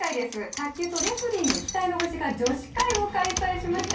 卓球とレスリング期待の星が女子会を開催しました。